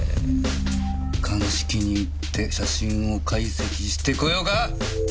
鑑識に行って写真を解析してこようか！？